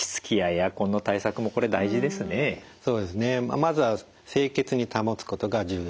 まずは清潔に保つことが重要です。